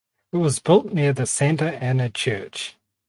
It was built near the Santa Ana Church.